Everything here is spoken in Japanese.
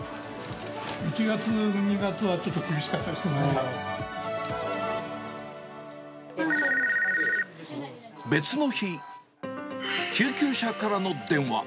１月、２月はちょっと厳しか別の日、救急車からの電話。